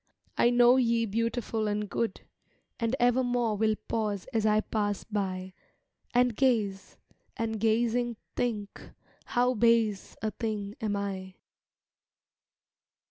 I know ye beautiful and good, And evermore will pause as I pass by, And gaze, and gazing think, how base a thing am I.